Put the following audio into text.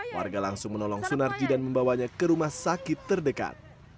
warga langsung menolong sunarji dan membawanya ke rumah sakit terdekat